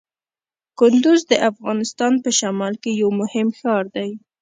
کندز د افغانستان په شمال کې یو مهم ښار دی.